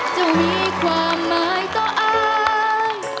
เจ้ามีความหมายต่ออ้าง